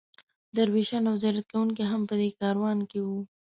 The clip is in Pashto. درویشان او زیارت کوونکي هم په دې کاروان کې وو.